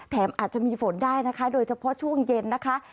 อาจจะมีฝนได้นะคะโดยเฉพาะช่วงเย็นนะคะ